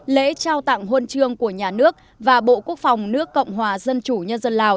lễ trao tặng huân chương của nhà nước và bộ quốc phòng nước cộng hòa dân chủ nhân dân lào